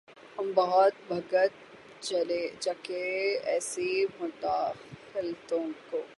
ہم بہت بھگت چکے ایسی مداخلتوں کو۔